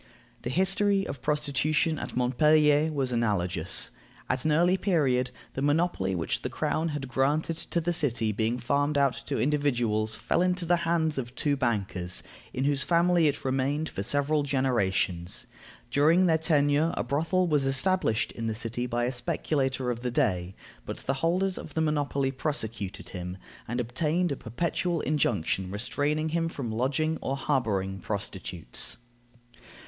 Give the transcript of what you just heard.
The history of prostitution at Montpellier was analogous. At an early period, the monopoly which the crown had granted to the city being farmed out to individuals, fell into the hands of two bankers, in whose family it remained for several generations. During their tenure, a brothel was established in the city by a speculator of the day, but the holders of the monopoly prosecuted him, and obtained a perpetual injunction restraining him from lodging or harboring prostitutes.